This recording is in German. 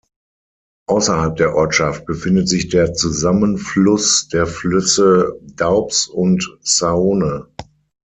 Außerhalb der Ortschaft befindet sich der Zusammenfluss der Flüsse Doubs und Saône.